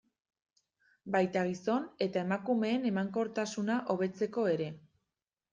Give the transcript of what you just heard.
Baita gizon eta emakumeen emankortasuna hobetzeko ere.